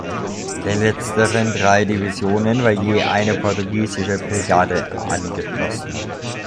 Den letzteren drei Divisionen war je eine portugiesische Brigade angeschlossen.